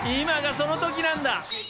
今がその時なんだ。